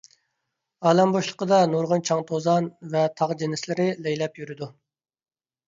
ئالەم بوشلۇقىدا نۇرغۇن چاڭ-توزان ۋە تاغ جىنسلىرى لەيلەپ يۈرىدۇ.